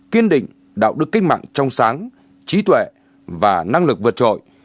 kiên định đạo đức cách mạng trong sáng trí tuệ và năng lực vượt trội